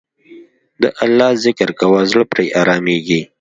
د الله ذکر کوه، زړه پرې آرامیږي.